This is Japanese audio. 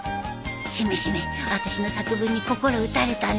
しめしめあたしの作文に心打たれたね